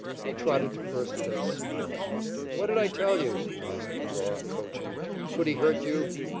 He trotted to first base smiling. "What'd I tell you?" asked McGraw, coaching. "Could he hurt you?"